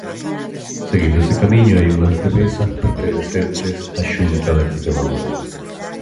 Seguindo ese camiño hai unhas devesas pertencentes á Xunta de Extremadura.